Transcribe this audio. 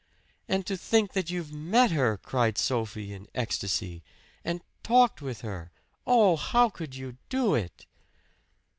"And to think that you've met her!" cried Sophie in ecstasy. "And talked with her! Oh, how could you do it?"